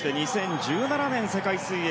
２０１７年の世界水泳